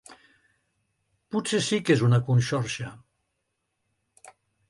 Potser sí que és una conxorxa.